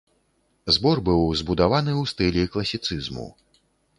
Збор быў збудаваны ў стылі класіцызму.